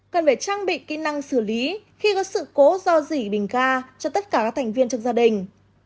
cần phải trang bị kỹ năng xử lý khi có sự cố do dỉ bình ga cho tất cả các thành viên trong gia đình